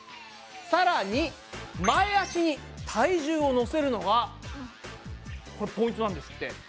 さらに前足に体重をのせるのがこれポイントなんですって。